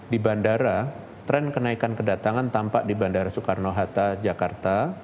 di bandara tren kenaikan kedatangan tampak di bandara soekarno hatta jakarta